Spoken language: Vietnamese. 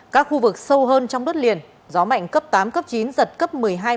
các khu vực sâu hơn trong đất liền gió mạnh cấp tám cấp chín giật cấp một mươi hai một mươi ba